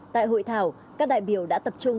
tại hội thảo các đại biểu đã tập trung